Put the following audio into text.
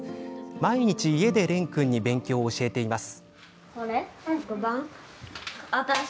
毎日、家で蓮君に勉強を教えています。